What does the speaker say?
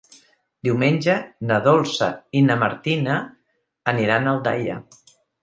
Diumenge na Dolça i na Martina aniran a Aldaia.